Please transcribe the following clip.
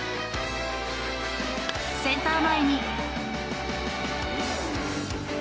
センター前に。